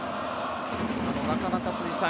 なかなか辻さん